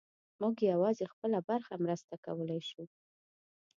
موږ یوازې خپله برخه مرسته کولی شو.